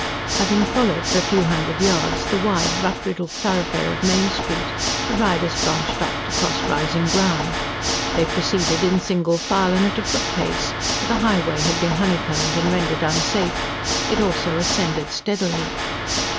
Having followed for a few hundred yards the wide, rut riddled thoroughfare of Main Street, the riders branched off to cross rising ground. They proceeded in single file and at a footpace, for the highway had been honeycombed and rendered unsafe; it also ascended steadily.